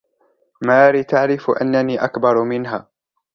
ماري تعرف أنني أكبر منها.